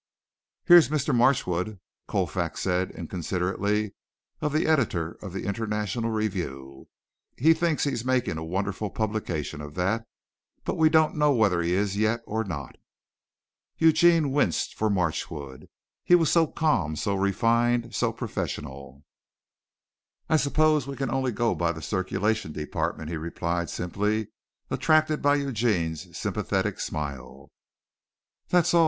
"Here's Mr. Marchwood," Colfax said inconsiderately of the editor of the International Review. "He thinks he's making a wonderful publication of that, but we don't know whether he is yet or not." Eugene winced for Marchwood. He was so calm, so refined, so professional. "I suppose we can only go by the circulation department," he replied simply, attracted by Eugene's sympathetic smile. "That's all!